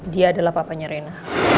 dia adalah papanya rena